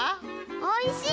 おいしい！